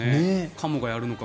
カモがやるのか。